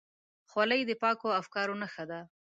خولۍ د پاکو افکارو نښه ده.